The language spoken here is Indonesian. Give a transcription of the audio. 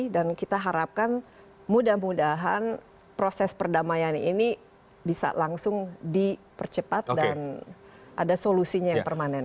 dan kita harapkan mudah mudahan proses perdamaian ini bisa langsung dipercepat dan ada solusinya yang permanen